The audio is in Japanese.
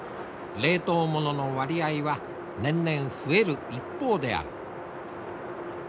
冷凍物の割合は年々増える一方である。